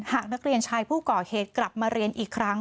หากนักเรียนชายผู้ก่อเหตุกลับมาเรียนอีกครั้ง